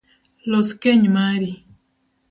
Los keny mari